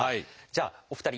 じゃあお二人